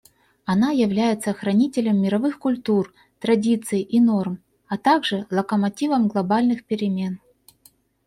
Она является хранителем мировых культур, традиций и норм, а также локомотивом глобальных перемен.